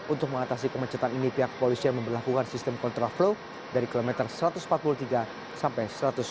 untuk mengatasi kemacetan ini pihak kepolisian memperlakukan sistem kontraflow dari kilometer satu ratus empat puluh tiga sampai satu ratus dua puluh